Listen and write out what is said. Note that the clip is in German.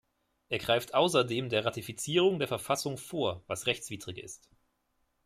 Er greift außerdem der Ratifizierung der Verfassung vor, was rechtswidrig ist.